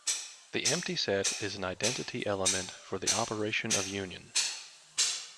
The empty set is an identity element for the operation of union.